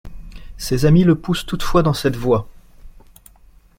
Ses amis le poussent toutefois dans cette voie.